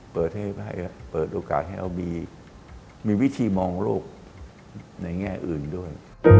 เปิดโอกาสให้เรามีวิธีมองโลกในแง่อื่นด้วย